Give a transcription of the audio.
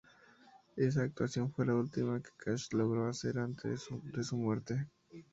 Esa actuación fue la última que Cash logro hacer antes de su muerte.